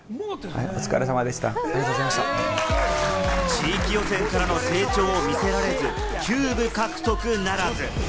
地域予選からの成長を見せられず、キューブ獲得ならず。